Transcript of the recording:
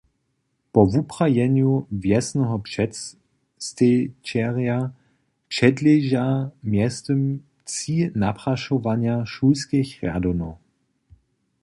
Po wuprajenju wjesneho předstejićerja předleža mjeztym tři naprašowanja šulskich rjadownjow.